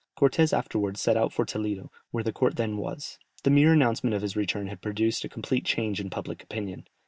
Cortès afterwards set out for Toledo, where the court then was. The mere announcement of his return had produced a complete change in public opinion.